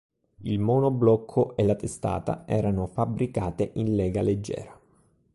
Il monoblocco e la testata erano fabbricate in lega leggera.